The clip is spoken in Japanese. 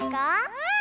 うん！